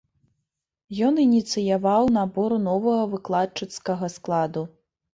Ён ініцыяваў набор новага выкладчыцкага складу.